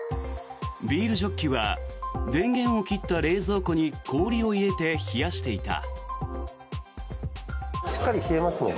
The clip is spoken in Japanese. ビールジョッキは電源を切った冷蔵庫に氷を入れて冷やしていた。